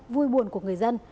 vui buồn của người dân